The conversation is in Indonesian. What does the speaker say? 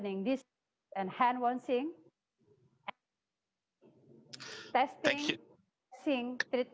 lebih rendah dari grup pendapatan yang rendah